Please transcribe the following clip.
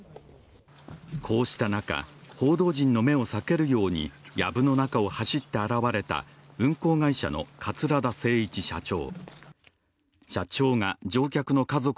こうした中、報道陣の目を避けるようにやぶの中を走って現れた運航会社の桂田精一社長。